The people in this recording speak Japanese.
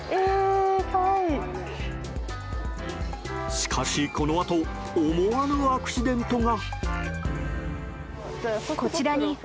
しかし、このあと思わぬアクシデントが。